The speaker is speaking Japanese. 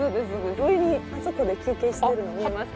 上にあそこで休憩してるの見えますか？